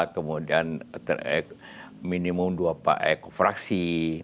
kemudian minimum dua fraksi